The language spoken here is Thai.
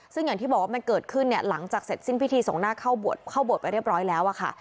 ซึ่งอย่างที่บอกว่าเกิดขึ้นหลังจากเสร็จสิ้นพิธีสงนาคเข้าบวชเข้าบวชไปเรียบร้อยแล้วอะคะ